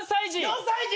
４歳児。